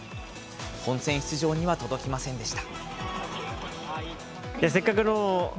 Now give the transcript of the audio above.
本戦出場には届きませんでした。